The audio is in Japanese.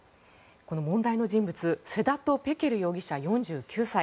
この問題の人物セダト・ペケル容疑者、４９歳。